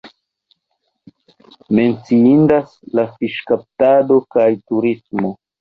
Menciindas la fiŝkaptado kaj turismo.